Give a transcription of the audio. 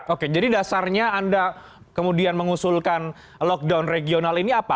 oke jadi dasarnya anda kemudian mengusulkan lockdown regional ini apa